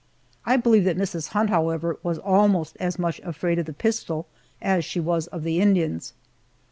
I believe that Mrs. Hunt, however, was almost as much afraid of the pistol as she was of the Indians.